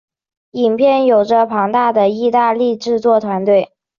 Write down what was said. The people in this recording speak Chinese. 影片有着庞大的意大利制作团队。